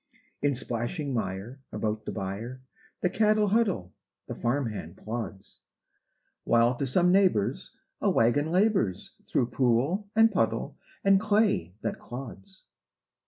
In splashing mire about the byre The cattle huddle, the farm hand plods; While to some neighbor's a wagon labors Through pool and puddle and clay that clods.